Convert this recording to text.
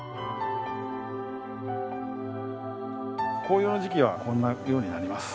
紅葉の時期はこんなようになります。